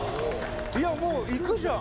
いやもう、いくじゃん！